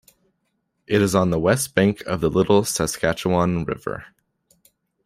It is on the west bank of the Little Saskatchewan River.